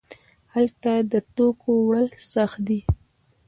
هلته د توکو وړل سخت دي.